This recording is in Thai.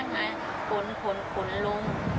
ให้นั่งคุยอยู่นั่นให้แต่พนักงานขนขนลง